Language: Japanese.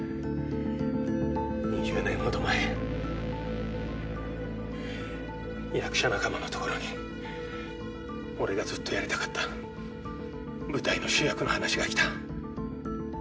２０年ほど前役者仲間のところに俺がずっとやりたかった舞台の主役の話がきた。